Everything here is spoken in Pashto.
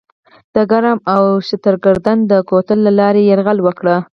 د کرم او شترګردن د کوتل له لارې یې یرغل وکړ.